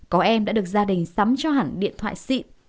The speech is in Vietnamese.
có em đã được gia đình sắm cho hẳn điện thoại xịn